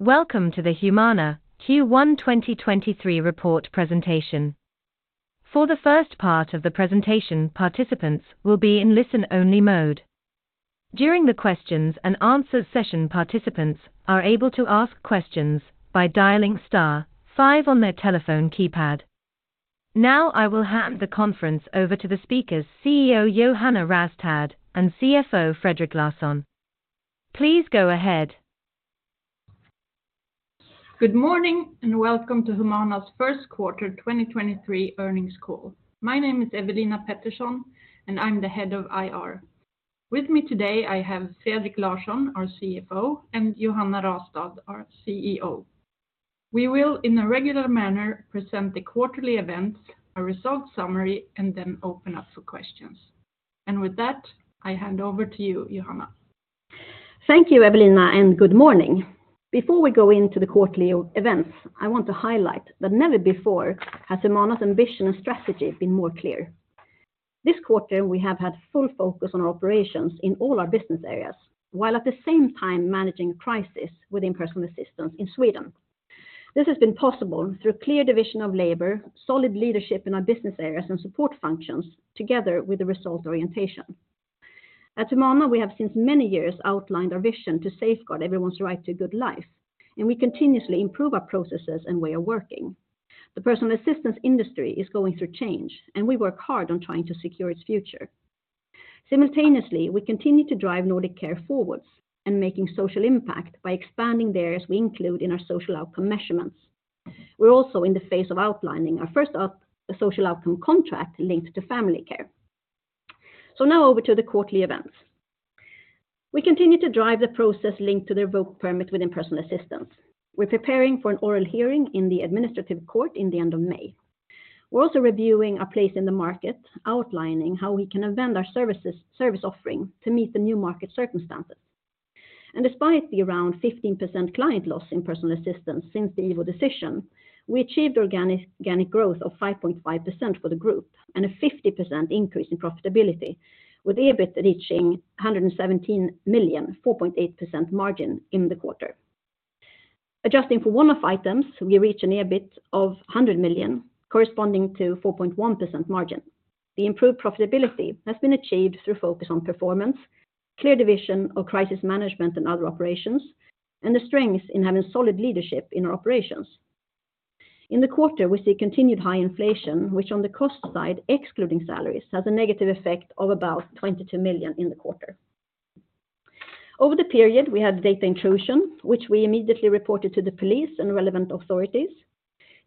Welcome to the Humana Q1 2023 Report Presentation. For the first part of the presentation, participants will be in listen-only mode. During the Q&A session, participants are able to ask questions by dialing star five on their telephone keypad. Now I will hand the conference over to the speakers, CEO Johanna Rastad and CFO Fredrik Larsson. Please go ahead. Good morning, and welcome to Humana's Q1 2023 Earnings Call. My name is Ewelina Pettersson, and I'm the Head of IR. With me today, I have Fredrik Larsson, our CFO, and Johanna Rastad, our CEO. We will, in a regular manner, present the quarterly events, a result summary, and then open up for questions. With that, I hand over to you, Johanna. Thank you, Ewelina. Good morning. Before we go into the quarterly events, I want to highlight that never before has Humana's ambition and strategy been clearer. This quarter, we have had full focus on our operations in all our business areas, while at the same time managing a crisis within personal assistance in Sweden. This has been possible through clear division of labor, solid leadership in our business areas and support functions, together with the result orientation. At Humana, we have since many years outlined our vision to safeguard everyone's right to a good life. We continuously improve our processes and way of working. The personal assistance industry is going through change. We work hard on trying to secure its future. Simultaneously, we continue to drive Nordic care forwards and making social impact by expanding the areas we include in our social outcome measurements. We're also in the phase of outlining our first social outcome contract linked to family care. Now over to the quarterly events. We continue to drive the process linked to the revoked permit within personal assistance. We're preparing for an oral hearing in the administrative court in the end of May. We're also reviewing our place in the market, outlining how we can amend our service offering to meet the new market circumstances. Despite the around 15% client loss in personal assistance since the IVO decision, we achieved organic growth of 5.5% for the group and a 50% increase in profitability, with EBIT reaching 117 million, 4.8% margin in the quarter. Adjusting for one-off items, we reach an EBIT of 100 million, corresponding to 4.1% margin. The improved profitability has been achieved through focus on performance, clear division of crisis management and other operations, and the strength in having solid leadership in our operations. In the quarter, we see continued high inflation, which on the cost side, excluding salaries, has a negative effect of about 22 million in the quarter. Over the period, we had data intrusion, which we immediately reported to the police and relevant authorities.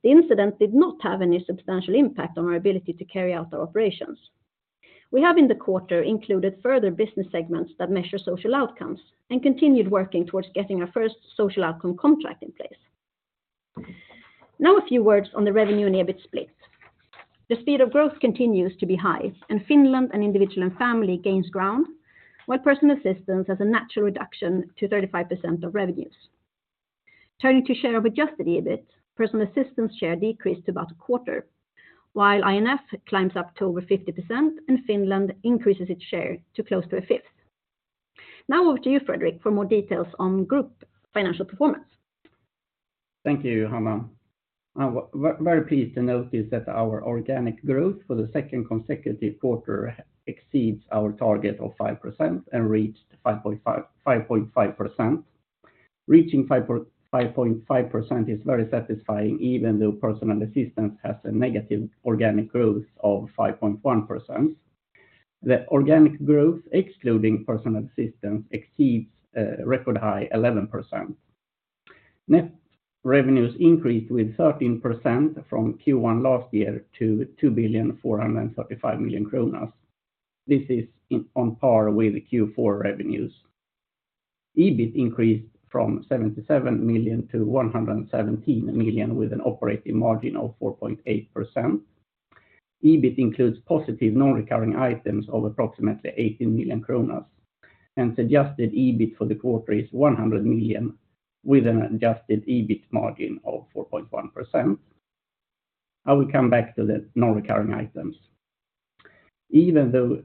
The incident did not have any substantial impact on our ability to carry out our operations. We have in the quarter included further business segments that measure social outcomes and continued working towards getting our first social outcome contract in place. Now a few words on the revenue and EBIT split. The speed of growth continues to be high, and Finland and individual and family gains ground, while personal assistance has a natural reduction to 35% of revenues. Turning to share of adjusted EBIT, personal assistance share decreased to about 1/4, while INF climbs up to over 50%, and Finland increases its share to close to 1/5. Over to you, Fredrik, for more details on group financial performance. Thank you, Johanna. I'm very pleased to notice that our organic growth for the second consecutive quarter exceeds our target of 5% and reached 5.5%. Reaching 5.5% is very satisfying, even though personal assistance has a negative organic growth of 5.1%. The organic growth, excluding personal assistance, exceeds record high 11%. Net revenues increased with 13% from Q1 last year to 2,435 million kronor. This is on par with the Q4 revenues. EBIT increased from 77 million to 117 million, with an operating margin of 4.8%. EBIT includes positive non-recurring items of approximately 18 million kronor, and suggested EBIT for the quarter is 100 million, with an adjusted EBIT margin of 4.1%. I will come back to the non-recurring items. Even though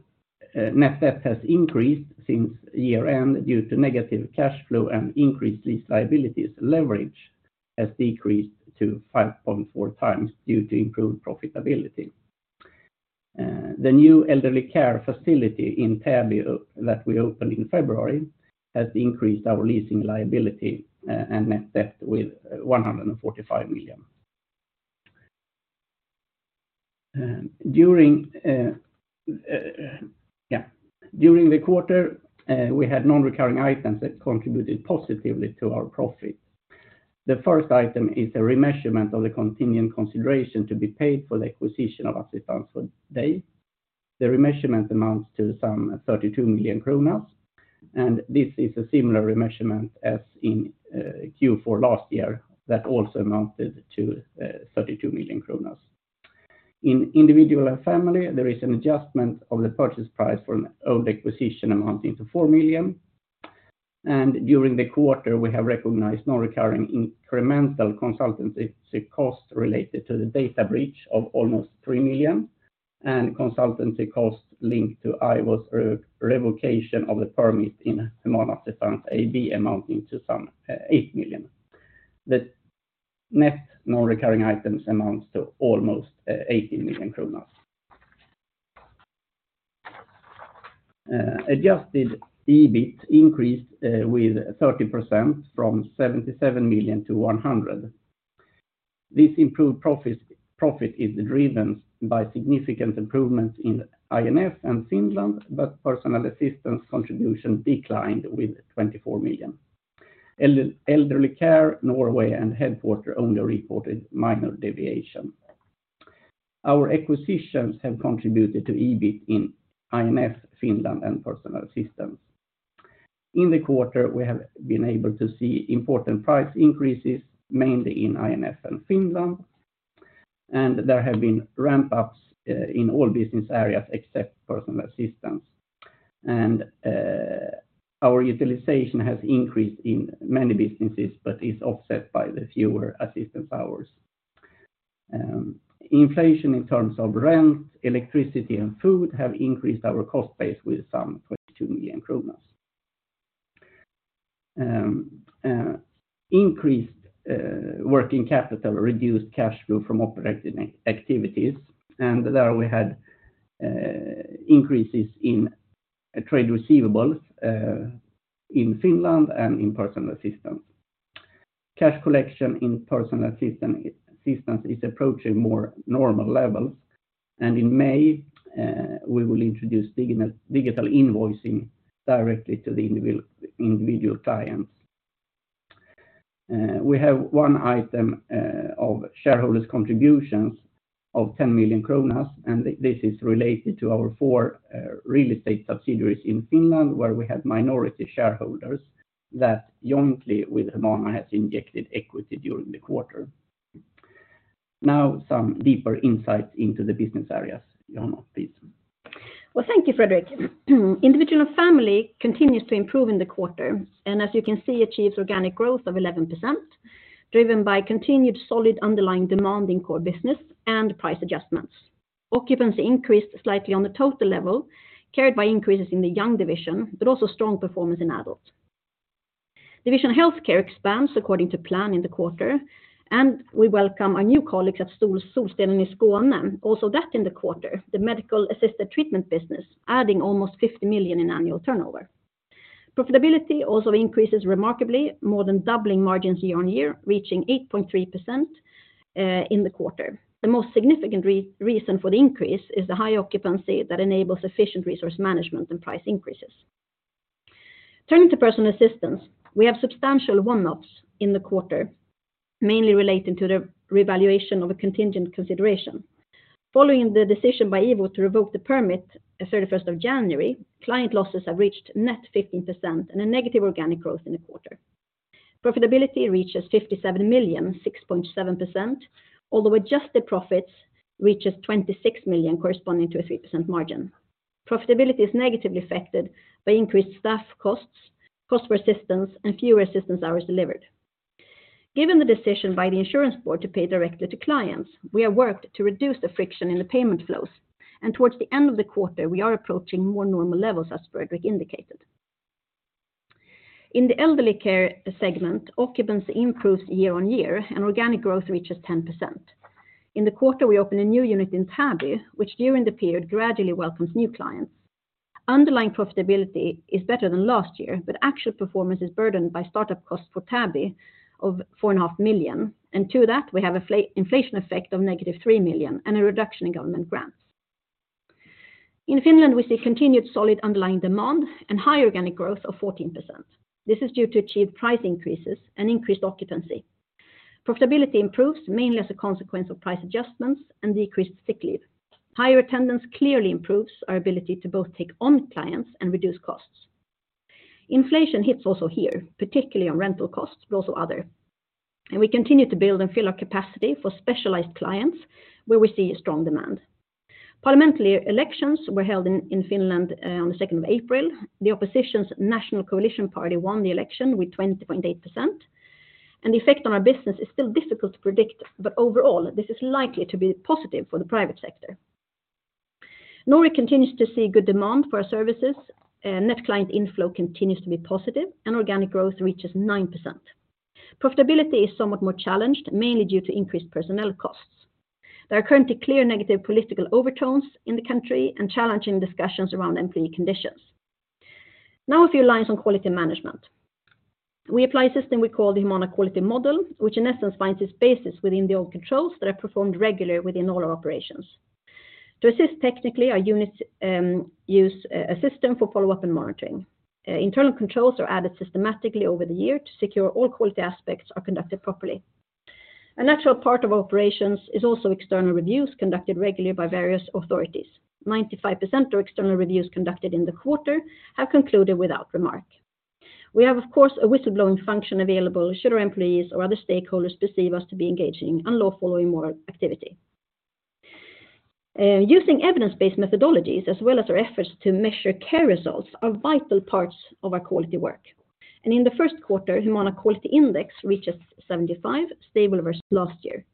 net debt has increased since year-end due to negative cash flow and increased lease liabilities, leverage has decreased to 5.4 times due to improved profitability. The new elderly care facility in Täby that we opened in February has increased our leasing liability and net debt by 145 million. During the quarter, we had non-recurring items that contributed positively to our profit. The first item is a remeasurement of the continuing consideration to be paid for the acquisition of Assistansens Dag. The remeasurement amounts to some 32 million kronor, and this is a similar remeasurement as in Q4 last year, which also amounted to 32 million. In the individual and family, there is an adjustment of the purchase price for an old acquisition amounting to 4 million. During the quarter, we have recognized non-recurring incremental consultancy costs related to the data breach of almost 3 million. Consultancy costs linked to IVO's re-revocation of the permit in Humana Assistans AB amount to some 8 million. The net non-recurring items amount to almost 18 million kronor. Adjusted EBIT increased with 30% from 77 million to 100 million. This improved profit is driven by significant improvements in INF and Finland. Personal assistance contribution declined by 24 million. Elderly care, Norway, and the headquarters only reported minor deviation. Our acquisitions have contributed to EBIT in INF, Finland, and personal assistance. In the quarter, we have been able to see important price increases, mainly in INF and Finland. There have been ramp-ups in all business areas except personal assistance. Our utilization has increased in many businesses, but is offset by the fewer assistance hours. Inflation in terms of rent, electricity, and food has increased our cost base by some 22 million kronor. Increased working capital reduced cash flow from operating activities, and we had increases in trade receivables in Finland and in personal assistance. Cash collection in personal assistance is approaching more normal levels. In May, we will introduce digital invoicing directly to the individual clients. We have one item of shareholders' contributions of 10 million kronor, which is related to our four real estate subsidiaries in Finland, where we have minority shareholders that, jointly with Humana, have injected equity during the quarter. Some deeper insights into the business areas. Johanna, please. Well, thank you, Fredrik. Individual and Family continues to improve in the quarter, and as you can see, achieves organic growth of 11%, driven by continued solid underlying demand in the core business and price adjustments. Occupancy increased slightly on the total level, carried by increases in the young division, but also strong performance in the adult. Division Healthcare expands according to plan in the quarter, and we welcome our new colleagues at Solstenen i Skåne. Also that in the quarter, the medical-assisted treatment business adding almost 50 million in annual turnover. Profitability also increases remarkably, more than doubling margins year-on-year, reaching 8.3% in the quarter. The most significant reason for the increase is the high occupancy that enables efficient resource management and price increases. Turning to Personal Assistance, we have substantial one-offs in the quarter, mainly relating to the revaluation of a contingent consideration. Following the decision by IVO to revoke the permit at 31st of January, client losses have reached net 15% and a negative organic growth in the quarter. Profitability reaches 57 million, 6.7%, although adjusted profits reaches 26 million corresponding to a 3% margin. Profitability is negatively affected by increased staff costs, the cost for assistance, and fewer assistance hours delivered. Given the decision by Försäkringskassan to pay directly to clients, we have worked to reduce the friction in the payment flows. Towards the end of the quarter, we are approaching more normal levels as Fredrik indicated. In the Elderly Care segment, occupancy improves year-over-year and organic growth reaches 10%. In the quarter, we opened a new unit in Täby, which, during the period, gradually welcomed new clients. Underlying profitability is better than last year, but actual performance is burdened by startup costs for Täby of 4.5 million. To that, we have an inflation effect of negative 3 million and a reduction in government grants. In Finland, we see continued solid underlying demand and high organic growth of 14%. This is due to achieved price increases and increased occupancy. Profitability improves mainly as a consequence of price adjustments and decreased sick leave. Higher attendance clearly improves our ability to both take on clients and reduce costs. Inflation hits also here, particularly on rental costs, but also other. We continue to build and fill our capacity for specialized clients where we see a strong demand. Parliamentary elections were held in Finland on the 2nd of April. The opposition's National Coalition Party won the election with 20.8%. The effect on our business is still difficult to predict, but overall, this is likely to be positive for the private sector. Norway continues to see good demand for our services. Net client inflow continues to be positive, and organic growth reaches 9%. Profitability is somewhat more challenged, mainly due to increased personnel costs. There are currently clear negative political overtones in the country and challenging discussions around employee conditions. Now a few lines on quality management. We apply a system we call the Humana Quality Model, which in essence finds its basis within the old controls that are performed regularly within all our operations. To assist technically, our units use a system for follow-up and monitoring. Internal controls are added systematically over the year to secure all quality aspects are conducted properly. A natural part of operations is also external reviews conducted regularly by various authorities. 95% of external reviews conducted in the quarter have concluded without remark. We have, of course, a whistleblowing function available should our employees or other stakeholders perceive us to be engaging in unlawful or immoral activity. Using evidence-based methodologies as well as our efforts to measure care results are vital parts of our quality work. In Q1, Humana Quality Index reaches 75, stable versus last year.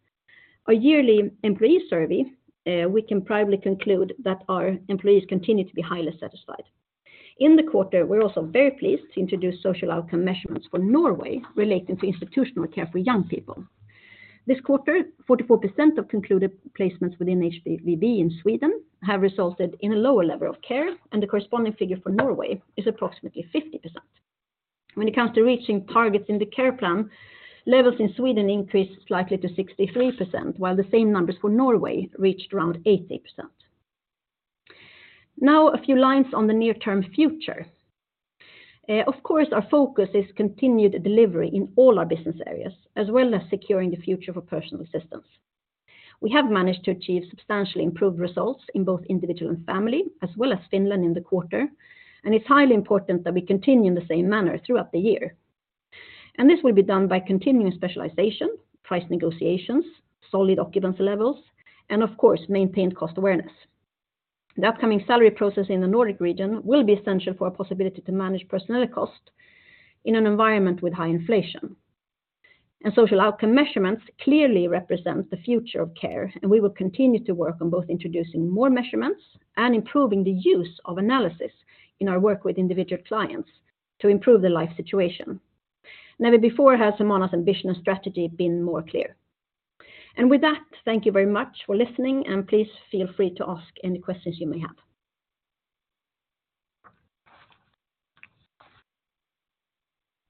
Our yearly employee survey, we can proudly conclude that our employees continue to be highly satisfied. In the quarter, we're also very pleased to introduce social outcome measurements for Norway relating to institutional care for young people. This quarter, 44% of concluded placements within HVB in Sweden have resulted in a lower level of care, and the corresponding figure for Norway is approximately 50%. When it comes to reaching targets in the care plan, levels in Sweden increased slightly to 63%, while the same numbers for Norway reached around 80%. Now a few lines on the near-term future. Of course, our focus is continued delivery in all our business areas, as well as securing the future for personal assistance. We have managed to achieve substantially improved results in both individual and family, as well as Finland in the quarter. It's highly important that we continue in the same manner throughout the year. This will be done by continuing specialization, price negotiations, solid occupancy levels, and of course, maintained cost awareness. The upcoming salary process in the Nordic region will be essential for our possibility to manage personnel cost in an environment with high inflation. Social outcome measurements clearly represent the future of care, and we will continue to work on both introducing more measurements and improving the use of analysis in our work with individual clients to improve their life situation. Never before has Humana's ambitious strategy been more clear. With that, thank you very much for listening, and please feel free to ask any questions you may have.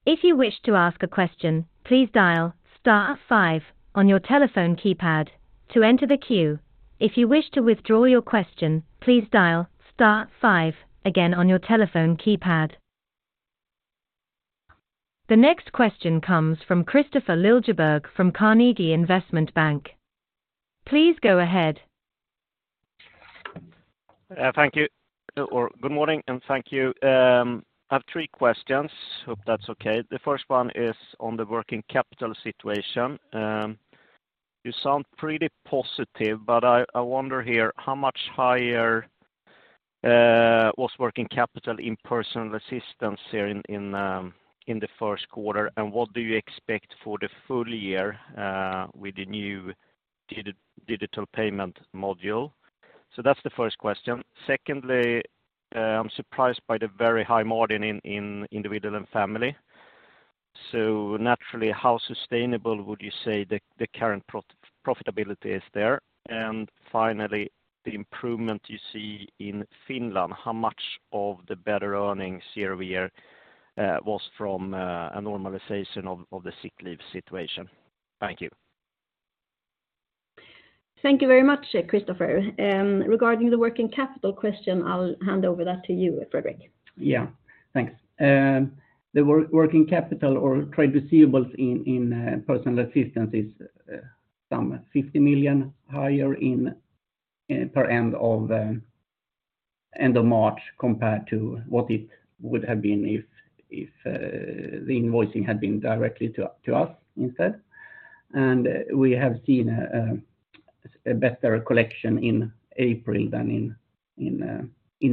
If you wish to ask a question, please dial star five on your telephone keypad to enter the queue. If you wish to withdraw your question, please dial star five again on your telephone keypad. The next question comes from Kristofer Liljeberg from Carnegie Investment Bank. Please go ahead. Thank you. Good morning, and thank you. I have three questions. Hope that's okay. The first one is on the working capital situation. You sound pretty positive, but I wonder here, how much higher was working capital in personal assistance here in Q1, and what do you expect for the full year with the new digital payment module? That's the first question. Secondly, I'm surprised by the very high margin in individual and family. Naturally, how sustainable would you say the current profitability is there? Finally, the improvement you see in Finland, how much of the better earnings year-over-year was from a normalization of the sick leave situation? Thank you. Thank you very much, Kristofer. Regarding the working capital question, I'll hand over that to you, Fredrik. Yeah. Thanks. The working capital or trade receivables in personal assistance is some 50 million higher in per end of end of March compared to what it would have been if the invoicing had been directly to us instead. We have seen a better collection in April than in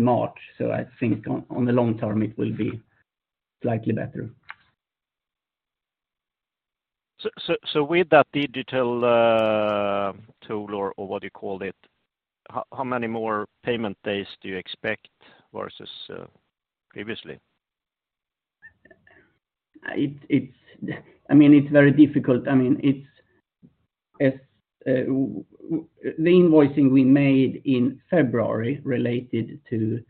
March. I think on the long term, it will be slightly better. With that digital tool or what do you call it, how many more payment days do you expect versus previously? It, I mean, it's very difficult. I mean, it's, The invoicing we made in February related to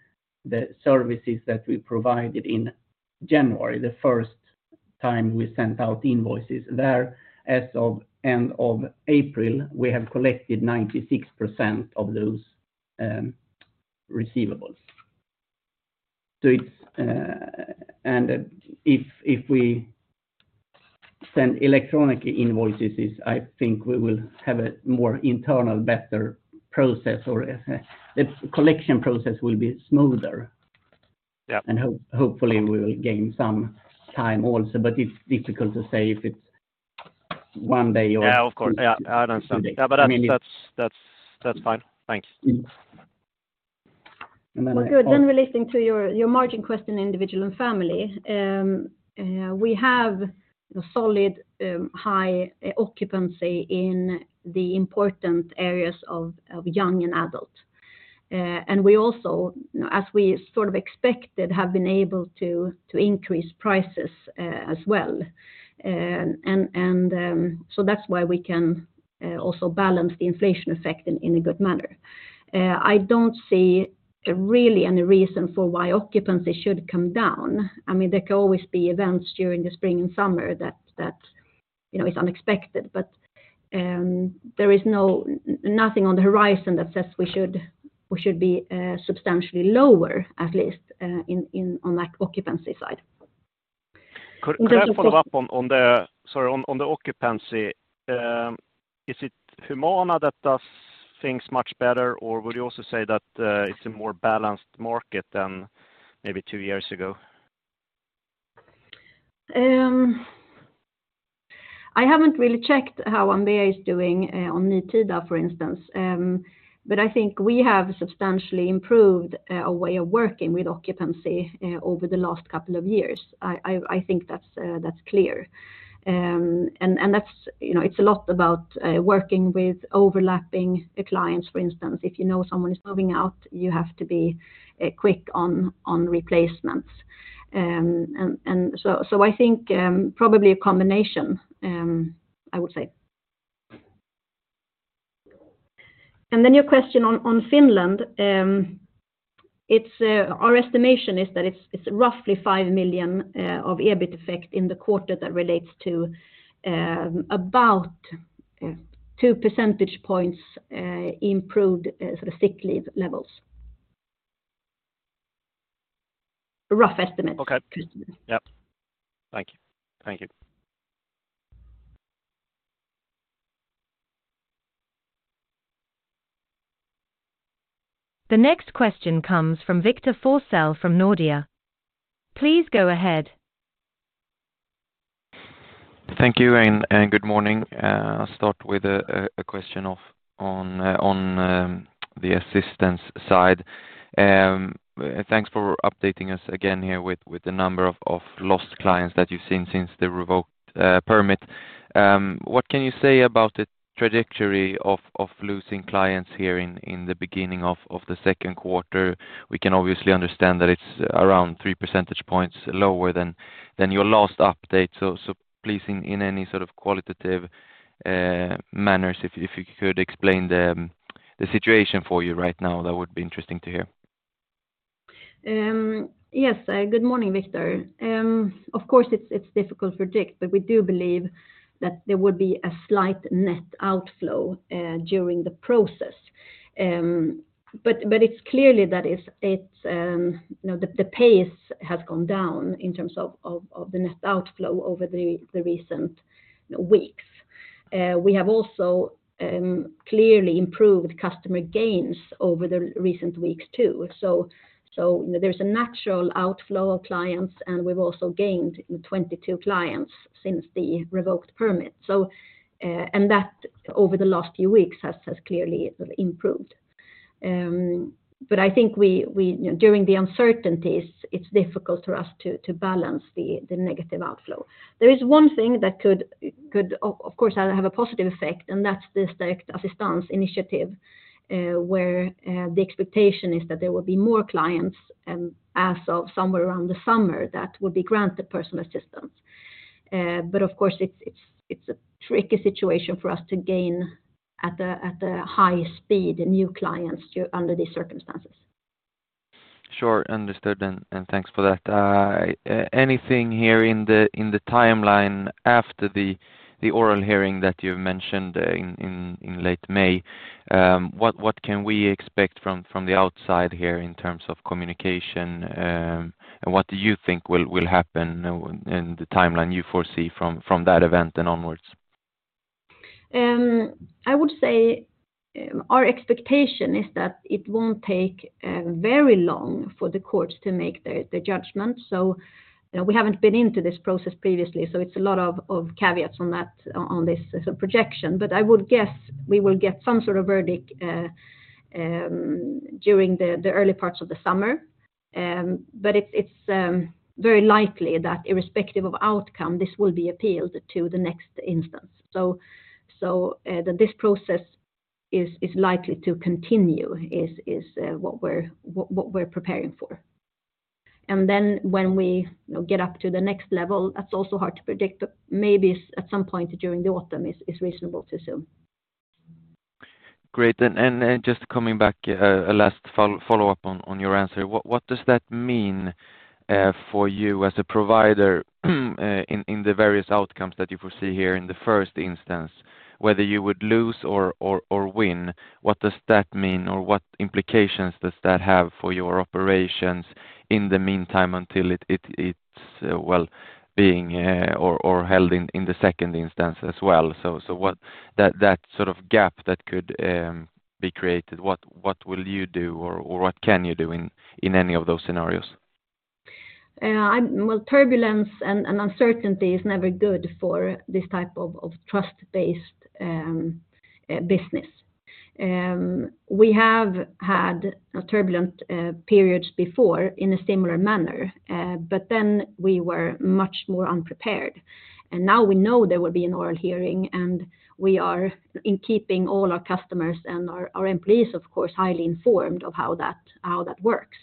the services that we provided in January, the first time we sent out invoices there. As of end of April, we have collected 96% of those receivables. If, if we send electronic invoices, I think we will have a more internal better process or the collection process will be smoother. Yeah. Hopefully, we will gain some time also. It's difficult to say if it's one day or. Yeah, of course. Yeah, I understand. Two days. I mean- Yeah, that's fine. Thanks. Mm-hmm. And then- Good. Relating to your margin question, individual and family. We have a solid high occupancy in the important areas of young and adult. We also, as we sort of expected, have been able to increase prices as well. That's why we can also balance the inflation effect in a good manner. I don't see really any reason for why occupancy should come down. I mean, there could always be events during the spring and summer that, you know, is unexpected. There is nothing on the horizon that says we should be substantially lower, at least, on that occupancy side. Could I follow up on the... Of course. Sorry, on the occupancy. Is it Humana that does things much better, or would you also say that, it's a more balanced market than maybe two years ago? I haven't really checked how Ambea is doing on Nytida, for instance. I think we have substantially improved our way of working with occupancy over the last couple of years. I think that's clear. That's, you know, it's a lot about working with overlapping clients, for instance. If you know someone is moving out, you have to be quick on replacements. I think probably a combination, I would say. Your question on Finland. It's our estimation is that it's roughly $5 million of EBIT effect in the quarter that relates to about two percentage points improved sort of sick leave levels. A rough estimate. Okay. Yep. Thank you. Thank you. The next question comes from Victor Forssell from Nordea. Please go ahead. Thank you, good morning. I'll start with a question on the assistance side. Thanks for updating us again here with the number of lost clients that you've seen since the revoked permit. What can you say about the trajectory of losing clients here in the beginning of the second quarter? We can obviously understand that it's around three percentage points lower than your last update. Please in any sort of qualitative manners, if you could explain the situation for you right now, that would be interesting to hear. Yes. Good morning, Victor. Of course, it's difficult to predict, but we do believe that there would be a slight net outflow during the process. It's clearly that it's, you know, the pace has gone down in terms of the net outflow over the recent weeks. We have also clearly improved customer gains over the recent weeks too. There's a natural outflow of clients, and we've also gained 22 clients since the revoked permit. That over the last few weeks has clearly sort of improved. I think we during the uncertainties, it's difficult for us to balance the negative outflow. There is one thing that could of course, have a positive effect, that's this Direct Contracting initiative, where the expectation is that there will be more clients as of somewhere around the summer that will be granted personal assistance. Of course, it's a tricky situation for us to gain at a high speed new clients under these circumstances. Sure. Understood. Thanks for that. Anything here in the timeline after the oral hearing that you've mentioned, in late May, what can we expect from the outside here in terms of communication? What do you think will happen in the timeline you foresee from that event and onwards? I would say, our expectation is that it won't take very long for the courts to make the judgment. We haven't been into this process previously, so it's a lot of caveats on that, on this as a projection. I would guess we will get some sort of verdict during the early parts of the summer. It's very likely that irrespective of outcome, this will be appealed to the next instance. This process is likely to continue, is what we're preparing for. When we, you know, get up to the next level, that's also hard to predict, but maybe at some point during the autumn is reasonable to assume. Great. Just coming back, a last follow-up on your answer. What does that mean for you as a provider in the various outcomes that you foresee here in the first instance? Whether you would lose or win, what does that mean or what implications does that have for your operations in the meantime until it's, well, being or held in the second instance as well? That sort of gap that could be created, what will you do or what can you do in any of those scenarios? Well, turbulence and uncertainty is never good for this type of trust-based business. We have had turbulent periods before in a similar manner, but then we were much more unprepared. Now we know there will be an oral hearing, and we are in keeping all our customers and our employees, of course, highly informed of how that, how that works,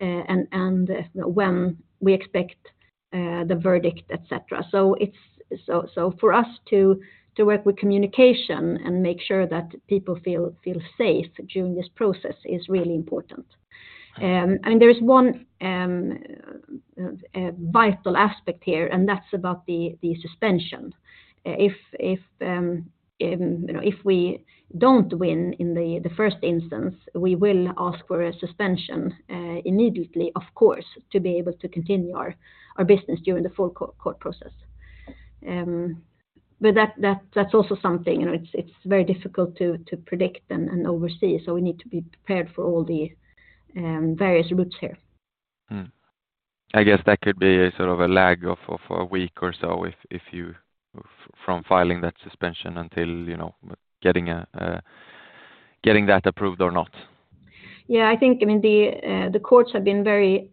and when we expect the verdict, etc. For us to work with communication and make sure that people feel safe during this process is really important. There is one vital aspect here, and that's about the suspension. If, you know, if we don't win in the first instance, we will ask for a suspension immediately, of course, to be able to continue our business during the full court process. That's also something, you know, it's very difficult to predict and oversee. We need to be prepared for all the various routes here. Mm-hmm. I guess that could be a sort of a lag of a week or so if you from filing that suspension until, you know, getting that approved or not. Yeah. I think, I mean, the courts have been very,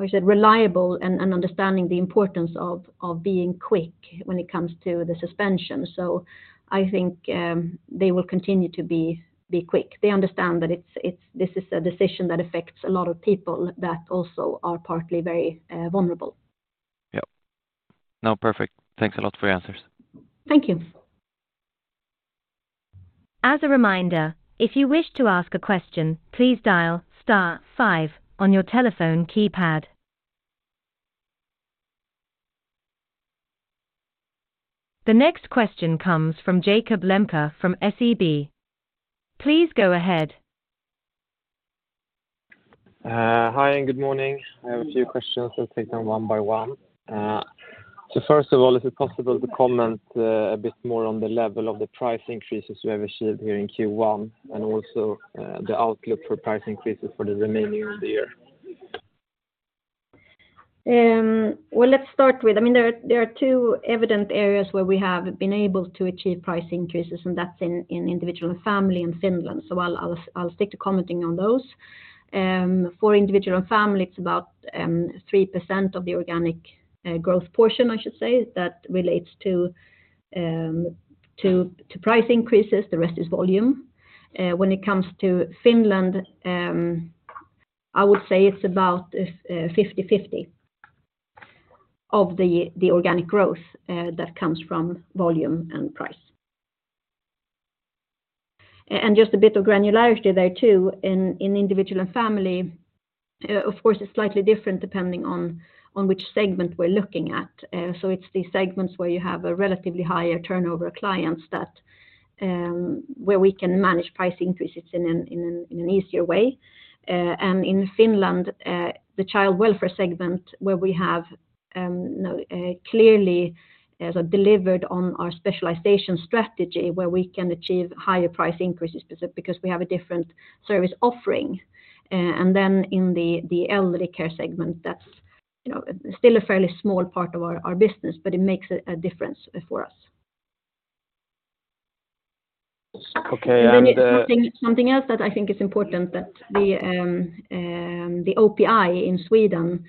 how you say, reliable and understanding the importance of being quick when it comes to the suspension. I think, they will continue to be quick. They understand that it's this is a decision that affects a lot of people that also are partly very, vulnerable. Yeah. No, perfect. Thanks a lot for your answers. Thank you. As a reminder, if you wish to ask a question, please dial star five on your telephone keypad. The next question comes from Jakob Lembke from SEB. Please go ahead. Hi. Good morning. I have a few questions. I'll take them one by one. First of all, is it possible to comment a bit more on the level of the price increases you have achieved here in Q1, and also the outlook for price increases for the remainder of the year? Let's start with there are two evident areas where we have been able to achieve price increases, and that's in individual and family in Finland. I'll stick to commenting on those. For the individual and family, it's about 3% of the organic growth portion, I should say, that relates to price increases. The rest is volume. When it comes to Finland, I would say it's about 50/50 of the organic growth that comes from volume and price. Just a bit of granularity there, too. In individual and family, of course, it's slightly different depending on which segment we're looking at. It's the segments where you have a relatively higher turnover of clients that, where we can manage price increases in an easier way. In Finland, the child welfare segment where we have, you know, clearly delivered on our specialization strategy, where we can achieve higher price increases because we have a different service offering. And then in the elderly care segment, that's, you know, still a fairly small part of our business, but it makes a difference for us. Okay. Something, something else that I think is important that the OPI in Sweden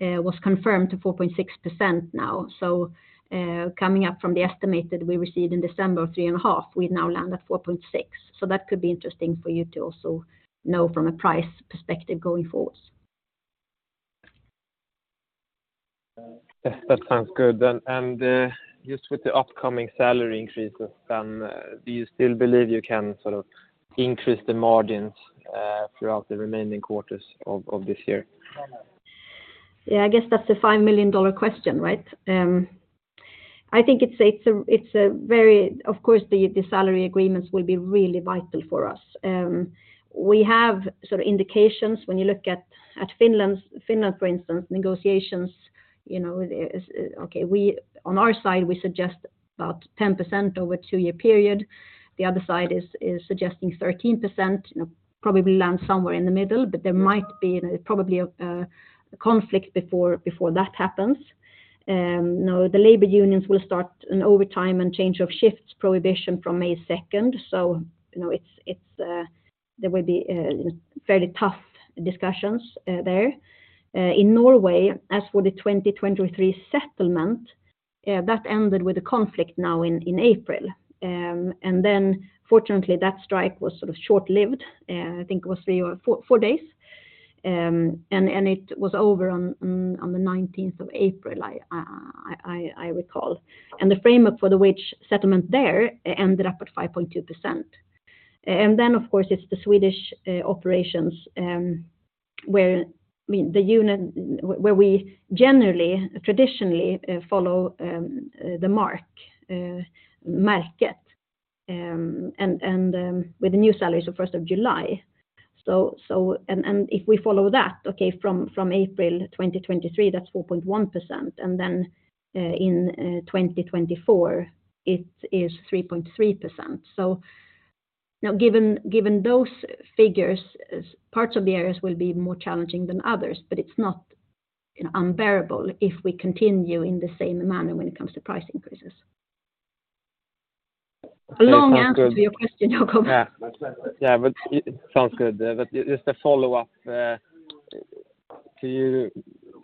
was confirmed to 4.6% now. Coming up from the estimate that we received in December of 3.5, we now land at 4.6. That could be interesting for you to also know from a price perspective, going forward. Yes. That sounds good. Just with the upcoming salary increases, then, do you still believe you can sort of increase the margins throughout the remaining quarters of this year? Yeah. I guess that's the $5 million question, right? I think. Of course, the salary agreements will be really vital for us. We have sort of indications when you look at Finland's, for instance, negotiations, you know. On our side, we suggest about 10% over a two-year period. The other side is suggesting 13%. You know, probably land somewhere in the middle, but there might be a conflict before that happens. You know, the labor unions will start an overtime and change of shifts prohibition from May 2. You know, there will be fairly tough discussions there. In Norway, as for the 2023 settlement, that ended with a conflict, now in April. Then fortunately, that strike was sort of short-lived. I think it was three or four days. It was over on the 19th of April I recall. The framework for the wage settlement there ended up at 5.2%. Then of course it's the Swedish operations, where, I mean, the union, where we generally traditionally follow the market. With the new salaries of 1st of July. If we follow that, okay, from April 2023, that's 4.1%, and then in 2024 it is 3.3%. you know, given those figures, parts of the areas will be more challenging than others, but it's not, you know, unbearable if we continue in the same manner when it comes to price increases. Okay. Sounds good. A long answer to your question, Jakob. Yeah. Yeah. It sounds good. Just a follow-up, can you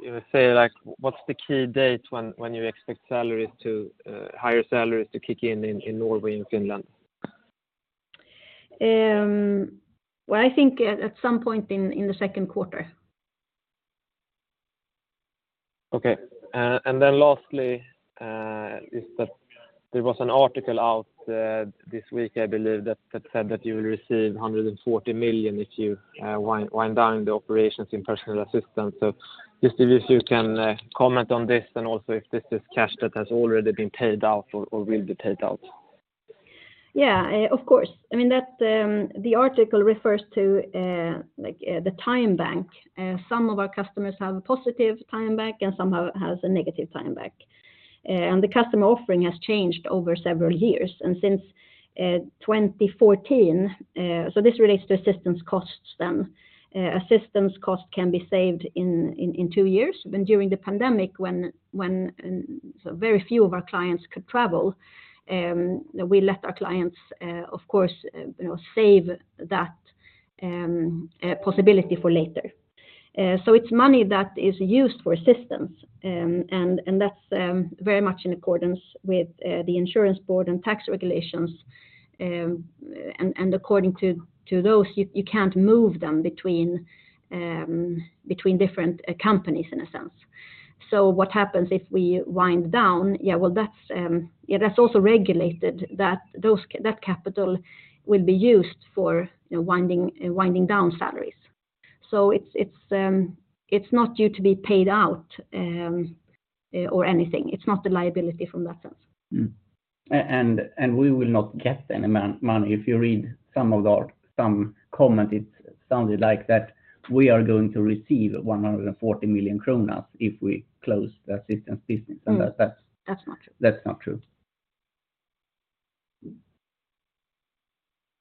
know, say like what's the key date when you expect salaries to higher salaries to kick in in Norway and Finland? well, I think at some point in the second quarter. lastly, is that there was an article out this week, I believe, that said that you will receive 140 million if you wind down the operations in personal assistance. Just if you can comment on this and also if this is cash that has already been paid out or will be paid out? Yeah. Of course, I mean, that the article refers to the time bank. Some of our customers have a positive time bank and some has a negative time bank. The customer offering has changed over several years. Since 2014. This relates to assistance costs then. Assistance cost can be saved in two years. When during the pandemic when so very few of our clients could travel, we let our clients, of course, you know, save that possibility for later. It's money that is used for assistance. That's very much in accordance with the insurance board and tax regulations. According to those, you can't move them between different companies in a sense. What happens if we wind down? Yeah. Well, that's, yeah, that's also regulated that those that capital will be used for, you know, winding down salaries. It's not due to be paid out or anything. It's not a liability from that sense. Mm. We will not get any money. If you read some of our some comment, it sounded like that we are going to receive 140 million kronor if we close the assistance business. Mm. And that's- That's not true. That's not true.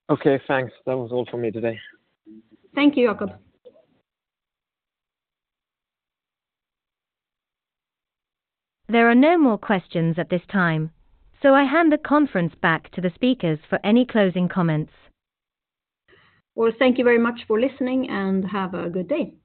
Okay, thanks. That was all for me today. Thank you, Jakob. There are no more questions at this time, so I hand the conference back to the speakers for any closing comments. Well, thank you very much for listening, and have a good day.